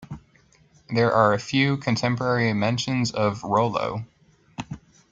There are few contemporary mentions of Rollo.